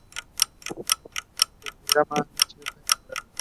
El inverso del teorema no es cierto en general.